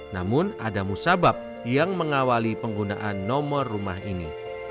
namun ada musabab yang mengawali penggunaan nomor rumah ini